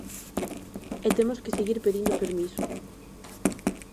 E temos que seguir pedindo permiso.